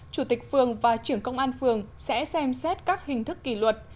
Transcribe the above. chủ tịch phường và trưởng công an phường sẽ xem xét các hình thức kỷ luật